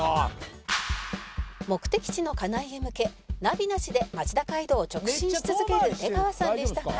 「目的地の金井へ向けナビなしで町田街道を直進し続ける出川さんでしたが」